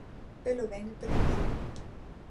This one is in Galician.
Pelo ben e pelo mal.